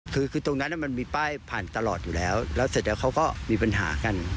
คือตรงนั้นมันมีป้ายผ่านตลอดอยู่แล้วแล้วเสร็จแล้วเขาก็มีปัญหากัน